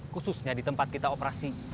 khususnya di tempat kita operasi